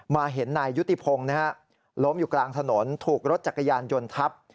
เห็นนายยุติพงศ์ล้มอยู่กลางถนนถูกรถจักรยานยนต์ทับ